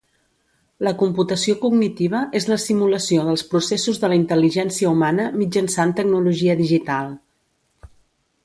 La computació cognitiva és la simulació dels processos de la intel·ligència humana mitjançant tecnologia digital.